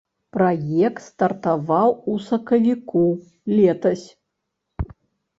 Праект стартаваў у сакавіку летась.